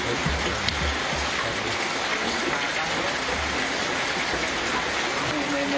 พร้อมทุกสิทธิ์